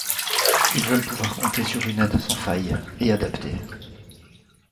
Ils veulent pouvoir compter sur une aide sans faille et adaptée.